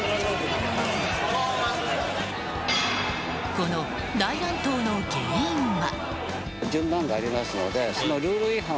この大乱闘の原因は？